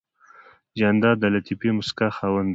جانداد د لطیفې موسکا خاوند دی.